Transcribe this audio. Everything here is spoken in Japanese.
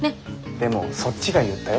でもそっちが言ったよ？